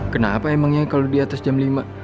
kenapa emangnya kalo diatas jam lima